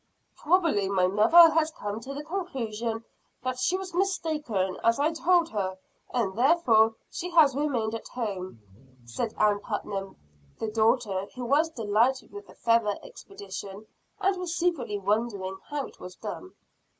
"Probably my mother has come to the conclusion that she was mistaken, as I told her; and therefore she has remained at home," said Ann Putnam, the daughter; who was delighted with the feather exhibition, and was secretly wondering how it was done.